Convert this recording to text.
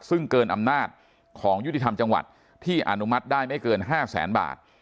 ซึ่งเกินอำนาจของยุติธรรมจังหวัดที่อนุมัติได้ไม่เกิน๕แสนบาท